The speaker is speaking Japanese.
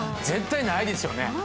絶対ないですよね。